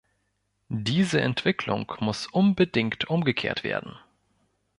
Diese Entwicklung muss unbedingt umgekehrt werden.